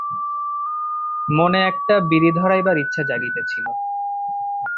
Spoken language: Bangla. মনে একটা বিড়ি ধরাইবার ইচ্ছা জাগিতেছিল।